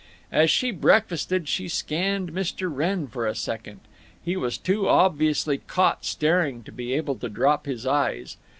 As she breakfasted she scanned Mr. Wrenn for a second. He was too obviously caught staring to be able to drop his eyes.